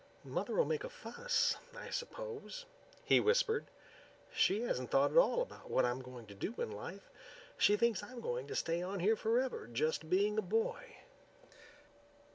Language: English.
"Mother'll make a fuss, I suppose," he whispered. "She hasn't thought at all about what I'm going to do in life. She thinks I'm going to stay on here forever just being a boy."